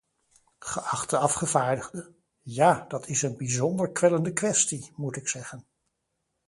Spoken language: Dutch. Geachte afgevaardigde: ja, dat is een bijzonder kwellende kwestie, moet ik zeggen.